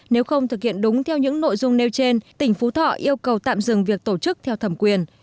nếu không thực hiện đúng theo những nội dung nêu trên tỉnh phú thọ yêu cầu tạm dừng việc tổ chức theo thẩm quyền